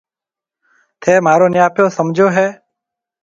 ٿَي مهارو نَياپو سمجهيَو هيَ۔